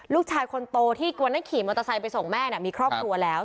ลูกชายคนโตที่วันนั้นขี่มอเตอร์ไซค์ไปส่งแม่มีครอบครัวแล้ว